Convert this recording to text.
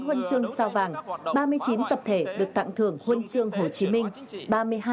huân chương sao vàng ba mươi chín tập thể được tặng thưởng huân chương hồ chí minh